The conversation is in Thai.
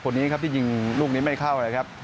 คนนี้จริงลูกนี้ไม่เข้า